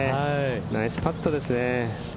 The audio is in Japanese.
ナイスパットですね。